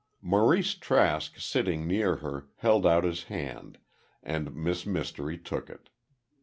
Maurice Trask sitting near her, held out his hand, and Miss Mystery took it.